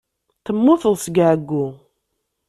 Temmuteḍ seg ɛeyyu.